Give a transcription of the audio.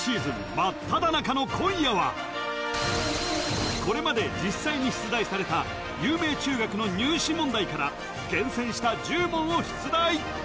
まっただ中の今夜はこれまで実際に出題された有名中学の入試問題から厳選した１０問を出題